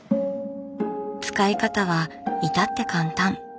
使い方は至って簡単。